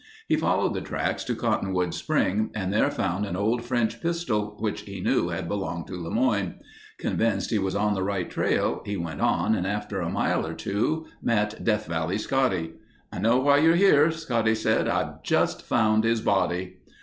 He followed the tracks to Cottonwood Spring and there found an old French pistol which he knew had belonged to LeMoyne. Convinced he was on the right trail, he went on and after a mile or two met Death Valley Scotty. "I know why you're here," Scotty said. "I've just found his body."